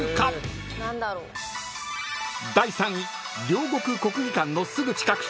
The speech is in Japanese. ［両国国技館のすぐ近く］